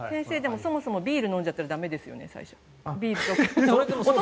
そもそもビール飲んじゃったら駄目ですよね。